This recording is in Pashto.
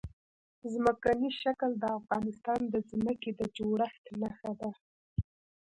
ځمکنی شکل د افغانستان د ځمکې د جوړښت نښه ده.